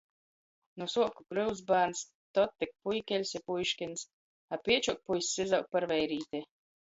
Nu suoku kryutsbārns, tod tik puikeļs i puiškyns, a piečuok puiss izaug par veirīti.